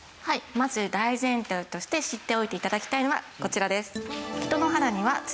まず大前提として知っておいて頂きたいのはこちらです。